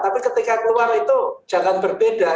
tapi ketika keluar itu jangan berbeda